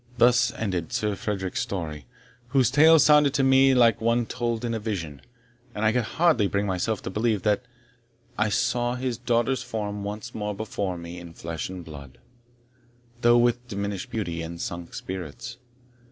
Thus ended Sir Fredericks story, whose tale sounded to me like one told in a vision; and I could hardly bring myself to believe that I saw his daughter's form once more before me in flesh and blood, though with diminished beauty and sunk spirits.